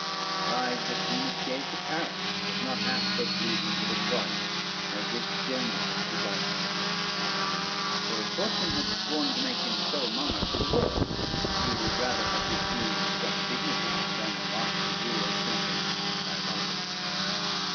The prize that Venus gave to Paris was not half so pleasing to the Troyan as this gem was to Rosader; for if fortune had sworn to make him sole monarch of the world, he would rather have refused such dignity, than have lost the jewel sent him by Rosalynde.